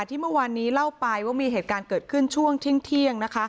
ที่เมื่อวานนี้เล่าไปว่ามีเหตุการณ์เกิดขึ้นช่วงเที่ยงนะคะ